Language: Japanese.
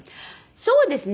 そうですね。